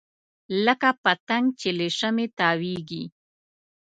لکه پتنګ چې له شمعې تاویږي.